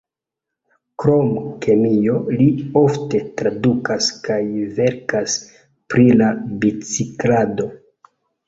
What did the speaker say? Krom kemio li ofte tradukas kaj verkas pri la biciklado.